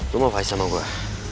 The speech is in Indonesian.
lu mau fight sama gua